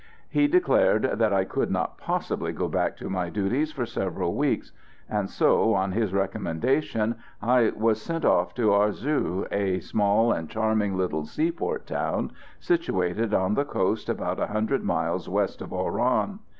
He declared that I could not possibly go back to my duties for several weeks, so, on his recommendation, I was sent off to Arzew, a small and charming little seaport town, situated on the coast about 100 miles west of Oran.